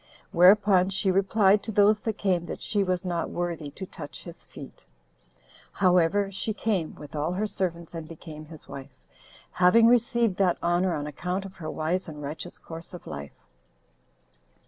Whereupon she replied to those that came, that she was not worthy to touch his feet; however, she came, with all her servants, and became his wife, having received that honor on account of her wise and righteous course of life.